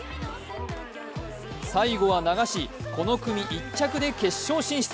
最後は流しこの組１着で決勝進出。